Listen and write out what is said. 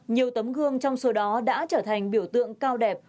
nhiều tấm gương trong số đó đã trở thành biểu tượng cao đẹp